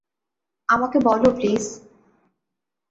আমাকে বলো প্লিজ।